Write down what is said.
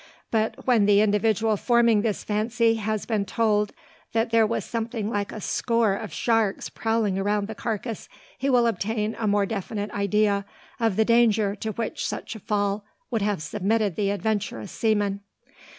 But when the individual forming this fancy has been told that there was something like a score of sharks prowling around the carcass, he will obtain a more definite idea of the danger to which such a fall would have submitted the adventurous seaman.